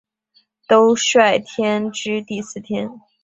兜率天之第四天。